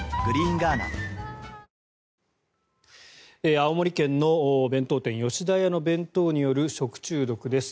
青森県の弁当店吉田屋の弁当による食中毒です。